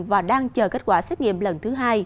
và đang chờ kết quả xét nghiệm lần thứ hai